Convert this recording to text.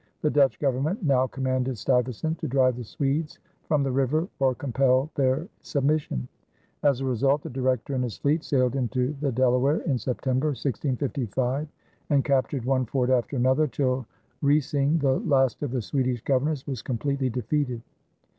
The Dutch Government now commanded Stuyvesant to drive the Swedes from the river or compel their submission. As a result the Director and his fleet sailed into the Delaware in September, 1655, and captured one fort after another, till Rysing, the last of the Swedish governors, was completely defeated.